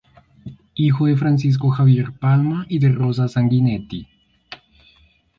Hijo de Francisco Javier Palma y de Rosa Sanguinetti.